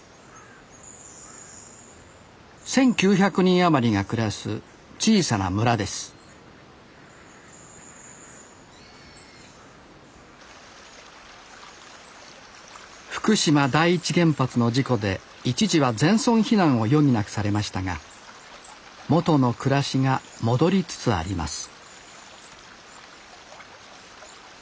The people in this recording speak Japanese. １，９００人余りが暮らす小さな村です福島第一原発の事故で一時は全村避難を余儀なくされましたが元の暮らしが戻りつつあります